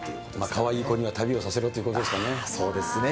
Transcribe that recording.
かわいい子には旅をさせろっそうですね。